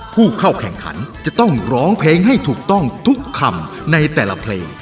ผู้เข้าแข่งขันจะต้องร้องเพลงให้ถูกต้องทุกคำในแต่ละเพลง